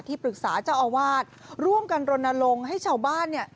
ปรึกษาเจ้าอาวาสร่วมกันรณรงค์ให้ชาวบ้านเนี่ย